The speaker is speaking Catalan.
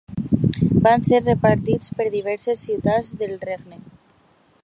Van ser repartits per diverses ciutats del regne.